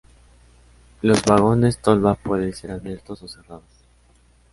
Los vagones tolva pueden ser abiertos o cerrados.